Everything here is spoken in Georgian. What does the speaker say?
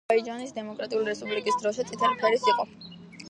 აზერბაიჯანის დემოკრატიული რესპუბლიკის დროშა წითელი ფერის იყო.